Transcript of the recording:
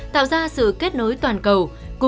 tạo ra sự kết nối toàn cầu